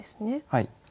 はい。